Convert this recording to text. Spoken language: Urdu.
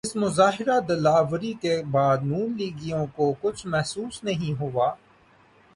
اس مظاہرہ دلاوری کے بعد نون لیگیوں کو کچھ محسوس نہیں ہوا؟